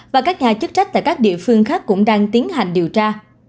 và các nhà chức trách tại các địa phương khác cũng đang tiến hành điều tra